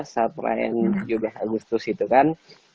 saat perayaan juga agustus itu kan